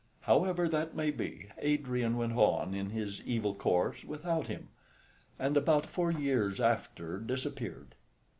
However that may be, Adrian went on in his evil course without him, and about four years after disappeared.